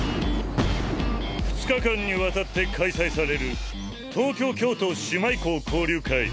２日間にわたって開催される東京・京都姉妹校交流会。